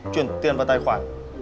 chuyển tiền vào tài khoản